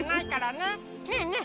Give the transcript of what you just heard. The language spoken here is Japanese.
ねえねえ